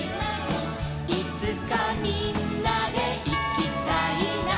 「いつかみんなでいきたいな」